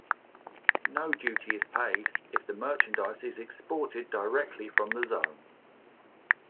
No duty is paid if the merchandise is exported directly from the zone.